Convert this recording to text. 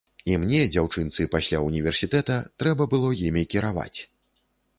І мне, дзяўчынцы пасля ўніверсітэта, трэба было імі кіраваць.